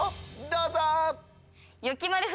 どうぞ！